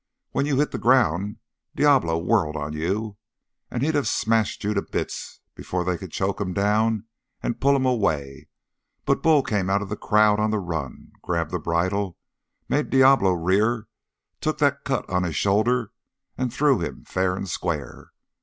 When you hit the ground, Diablo whirled on you, and he'd of smashed you to bits before they could choke him down and pull him away, but Bull came out of the crowd on the run, grabbed the bridle, made Diablo rear, took that cut on his shoulder, and threw him fair and square.